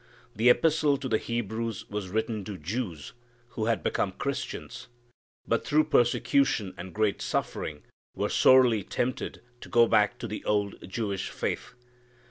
The epistle to the Hebrews was written to Jews who had become Christians, but through persecution and great suffering were sorely tempted to go back to the old Jewish faith.